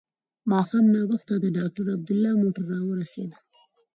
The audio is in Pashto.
ماښام ناوخته د ډاکټر عبدالله موټر راورسېد.